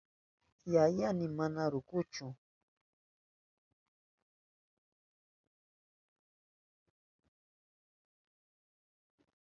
Yayayni mana rukuchu.